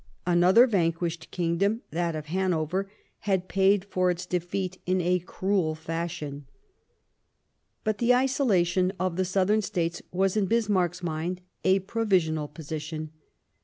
Another vanquished Kingdom, that of Hanover, had paid for its defeat in a more cruel fashion. ^ But the isolation of the Southern States was, in Bismarck's mind, a provisional position.